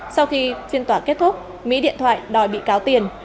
sau khi phiên tỏa kết thúc mỹ điện thoại đòi bị cáo tiền